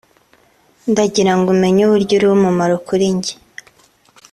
ndagira ngo umenye uburyo uri uw'umumaro kuri njye